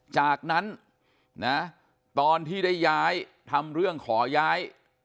จากนั้นนะตอนที่ได้ย้ายทำเรื่องขอย้าย